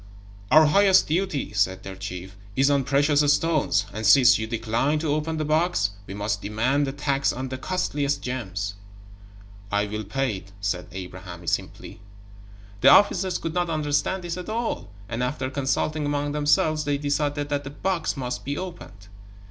"Our highest duty," said their chief, "is on precious stones, and since you decline to open the box, we must demand the tax on the costliest gems." "I will pay it," said Abraham, simply. The officers could not understand this at all, and after consulting among themselves, they decided that the box must be opened.